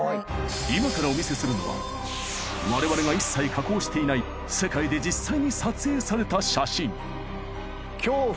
今からお見せするのは我々が一切加工していない世界で実際に撮影された写真